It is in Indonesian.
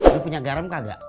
lu punya garam kagak